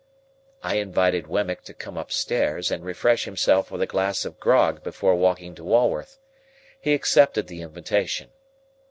I invited Wemmick to come upstairs, and refresh himself with a glass of grog before walking to Walworth. He accepted the invitation.